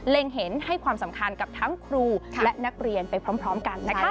เห็นให้ความสำคัญกับทั้งครูและนักเรียนไปพร้อมกันนะคะ